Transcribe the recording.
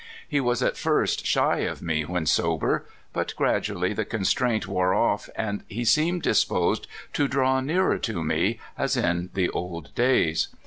He was at first shy of me when sober, but gradually the constraint wore off, and he seemed disposed to draw nearer to me, as in the old days.